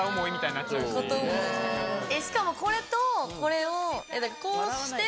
しかもこれとこれをこうして。